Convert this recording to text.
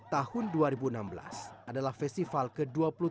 tahun dua ribu enam belas adalah festival ke dua puluh tiga